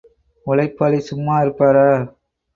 உழைப்பாளி சும்மா இருப்பாரா?